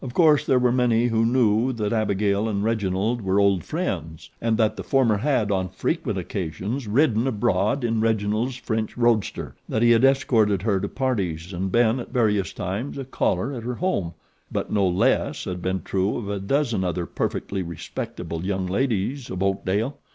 Of course there were many who knew that Abigail and Reginald were old friends; and that the former had, on frequent occasions, ridden abroad in Reginald's French roadster, that he had escorted her to parties and been, at various times, a caller at her home; but no less had been true of a dozen other perfectly respectable young ladies of Oakdale.